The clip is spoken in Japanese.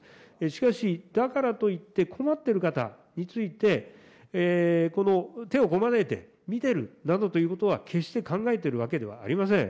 しかし、だからといって困ってる方について、この手をこまねいて見てるなどということは、決して考えてるわけではありません。